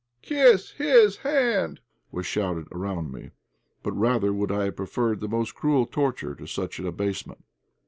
kiss his hand!" was shouted around me. But rather would I have preferred the most cruel torture to such an abasement.